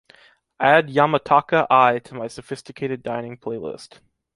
Add Yamataka Eye to my sophisticated dining playlist.